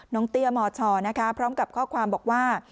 เตี้ยมชนะคะพร้อมกับข้อความบอกว่า